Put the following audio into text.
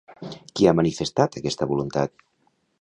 Qui ha manifestat aquesta voluntat?